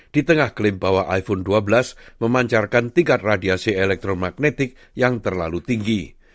di tengah klaim bahwa iphone dua belas memancarkan tingkat radiasi elektromagnetik yang terlalu tinggi